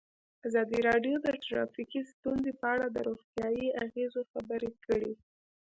ازادي راډیو د ټرافیکي ستونزې په اړه د روغتیایي اغېزو خبره کړې.